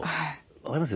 分かります？